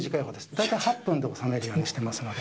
大体８分で収めるようにしてますので。